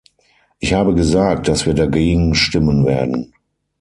Ich habe gesagt, dass wir dagegen stimmen werden.